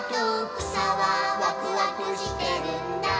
「くさはワクワクしてるんだ」